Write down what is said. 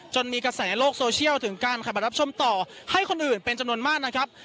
มีกระแสโลกโซเชียลถึงการขับมารับชมต่อให้คนอื่นเป็นจำนวนมากนะครับ